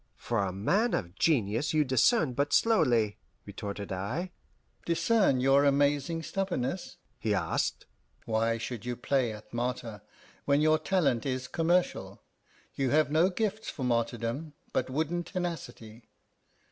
"For a man of genius you discern but slowly," retorted I. "Discern your amazing stubbornness?" he asked. "Why should you play at martyr, when your talent is commercial? You have no gifts for martyrdom but wooden tenacity.